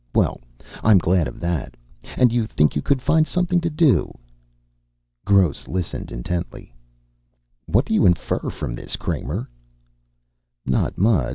Well, I'm glad of that. And you think you could find something to do?" Gross listened intently. "What do you infer from this, Kramer?" "Not much.